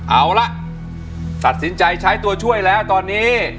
เอาล่ะตัดสินใจใช้ตัวช่วยแล้วตอนนี้